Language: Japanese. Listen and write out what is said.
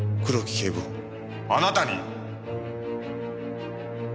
警部補あなたに！